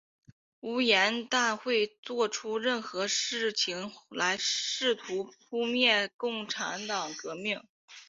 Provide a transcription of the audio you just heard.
吴廷琰会作出任何事情来试图扑灭共产革命。